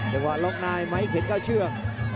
แต่ว่าลองนายไม้เข็ดก็เชื่อ